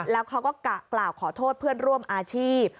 แล้วเขาก็กล่าวขอโทษเพื่อนร่วมอาชีพ